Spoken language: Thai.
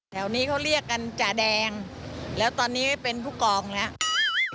แถวนี้เขาเรียกกันจ่าแดงแล้วตอนนี้เป็นผู้กองแล้ว